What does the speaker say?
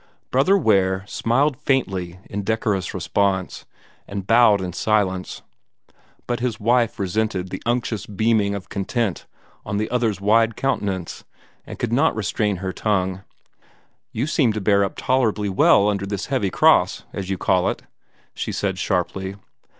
Brother Ware smiled faintly in decorous response, and bowed in silence; but his wife resented the unctuous beaming of content on the other's wide countenance, and could not restrain her tongue. "You seem to bear up tolerably well under this heavy cross, as you call it," she said sharply.